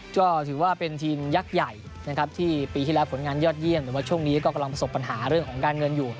ก็ถือว่าเป็นทีมยักษ์ใหญ่นะครับที่ปีที่แล้วผลงานยอดเยี่ยมแต่ว่าช่วงนี้ก็กำลังประสบปัญหาเรื่องของการเงินอยู่